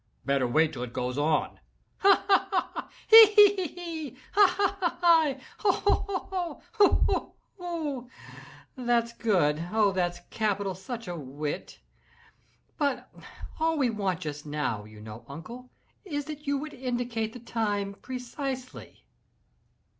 —Better wait till it goes on." "Ha! ha! ha!—he! he! he!—hi! hi! hi!—ho! ho! ho!—hu! hu! hu!—oh, that's good!—oh, that's capital—such a wit! But all we want just now, you know, uncle, is that you would indicate the time precisely."